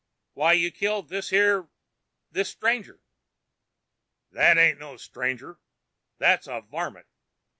"Why, you killed this here ... this stranger." "That ain't no stranger. That's a varmint.